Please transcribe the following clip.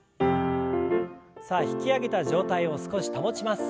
さあ引き上げた状態を少し保ちます。